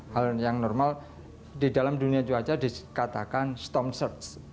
hal yang normal di dalam dunia cuaca dikatakan stom search